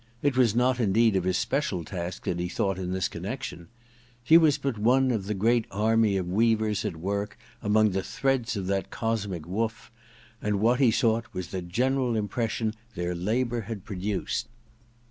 It was not indeed of his special task that he thought in this connection. He was but one of the great 8 THE DESCENT OF MAN i army of weavers at work among the threads of that cosmic woof ; and what he sought was the general impression their labour had produced.